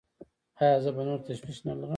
ایا زه به نور تشویش نلرم؟